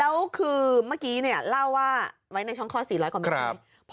แล้วคือเมื่อกี้เนี่ยเล่าว่าไว้ในช่องคอ๔๐๐กว่าเมตร